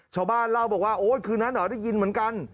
ชาวบ้านเล่าบอกว่าโอ๊ยคืนนั้นเหรอได้ยินเหมือนกัน